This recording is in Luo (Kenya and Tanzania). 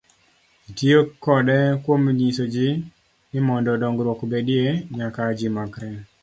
Itiyo kode kuom nyiso ji, ni mondo dongruok obedie, nyaka ji makre.